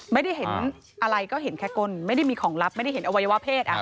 ไม่ได้เห็นอะไรก็เห็นแค่ก้นไม่ได้มีของลับไม่ได้เห็นอวัยวะเพศ